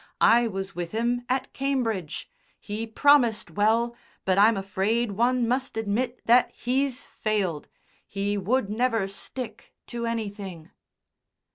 I was with him at Cambridge. He promised well, but I'm afraid one must admit that he's failed he would never stick to anything.'"